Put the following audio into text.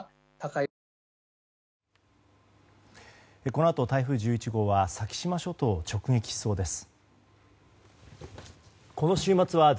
このあと台風１１号は先島諸島を直撃しそうです。